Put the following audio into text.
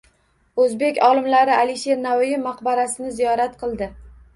O‘zbek olimlari Alisher Navoiy maqbarasini ziyorat qildi